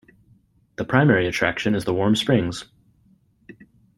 The primary attraction is the warm springs.